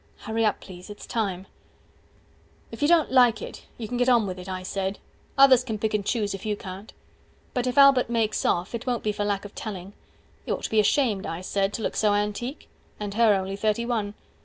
HURRY UP PLEASE ITS TIME If you don't like it you can get on with it, I said, Others can pick and choose if you can't. But if Albert makes off, it won't be for lack of telling. 155 You ought to be ashamed, I said, to look so antique. (And her only thirty one.)